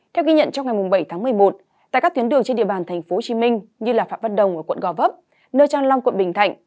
theo ghi nhận trong ngày bảy tháng một mươi một tại các tuyến đường trên địa bàn tp hcm như phạm văn đồng ở quận gò vấp nơi trang long quận bình thạnh